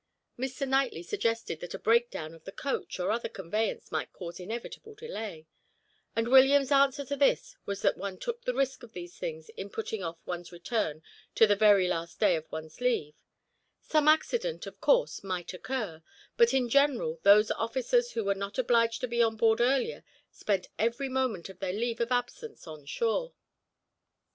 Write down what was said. Mr. Knightley suggested that a breakdown of the coach or other conveyance might cause inevitable delay, and William's answer to this was that one took the risk of these things in putting off one's return to the very last day of one's leave; some accident, of course, might occur, but in general, those officers who were not obliged to be on board earlier spent every moment of their leave of absence on shore.